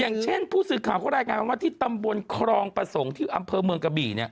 อย่างเช่นผู้สื่อข่าวก็ได้การว่าที่ตำบวนครองประสงค์ที่อำเภอเมืองกะบี่เนี่ย